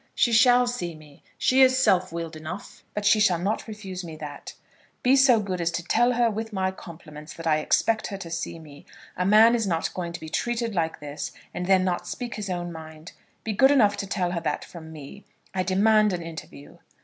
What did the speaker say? "She shall see me. She is self willed enough, but she shall not refuse me that. Be so good as to tell her with my compliments, that I expect her to see me. A man is not going to be treated like this, and then not speak his own mind. Be good enough to tell her that from me. I demand an interview."